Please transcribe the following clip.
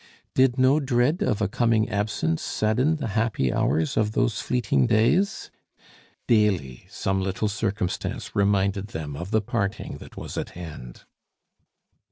Did no dread of a coming absence sadden the happy hours of those fleeting days? Daily some little circumstance reminded them of the parting that was at hand.